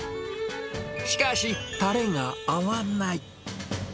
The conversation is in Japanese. しかし、たれが合わない。